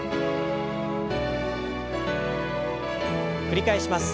繰り返します。